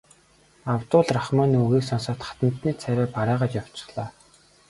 Абдул Рахманы үгийг сонсоод хатантны царай барайгаад явчихлаа.